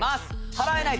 祓えない